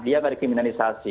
dia gak ada kriminalisasi